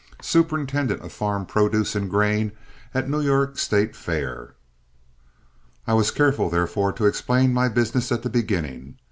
superintendent of farm produce and grain at New York State Fair." I was careful, therefore, to explain my business at the beginning.